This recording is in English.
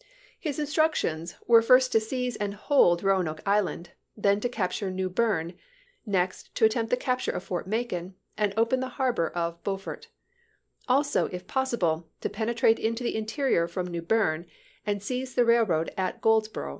His instructions were to first seize and hold Eoanoke Island, then to capture New Berne, next to attempt the capture of Fort Macon and open the harbor of Beaufort ; also, if possible, to penetrate into the in terior from New Berne and seize the railroad at Goldsboro'.